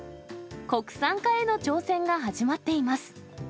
国産化への挑戦が始まっています。